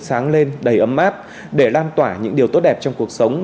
sáng lên đầy ấm áp để lan tỏa những điều tốt đẹp trong cuộc sống